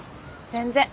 全然。